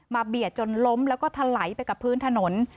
เบียดจนล้มแล้วก็ทะไหลไปกับพื้นถนน